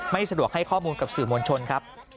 ไม่สะดวกให้ข้อมูลกับสื่อมวลชนครับ